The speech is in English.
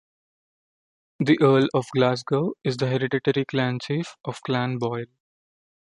The Earl of Glasgow is the hereditary Clan Chief of Clan Boyle.